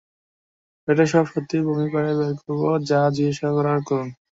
পেটের সব সত্যি ভমি করে বের করবো, যা জিজ্ঞাসা করার করুন!